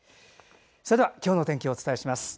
それでは今日の天気をお伝えします。